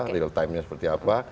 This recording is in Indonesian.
real time nya seperti apa